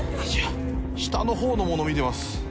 下の方のもの見てます。